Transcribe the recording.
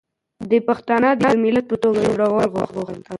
ده پښتانه د يو ملت په توګه جوړول غوښتل